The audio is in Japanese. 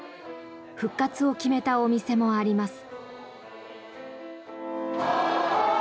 復活を決めたお店もあります。